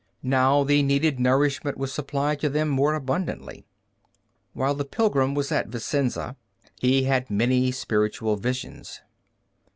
Now the needed nourishment was supplied to them more abundantly. While the pilgrim was at Vicenza, he had many spiritual visions.